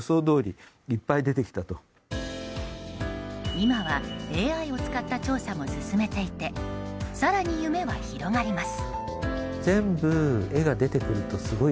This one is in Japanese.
今はＡＩを使った調査も進めていて更に夢は広がります。